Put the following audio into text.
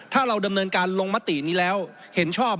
ถ้าเราดำเนินการลงมตินี้แล้วเห็นชอบ